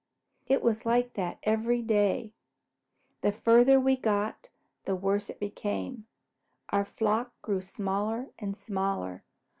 It was like that every day. The farther we got, the worse it became. Our flock grew smaller and smaller.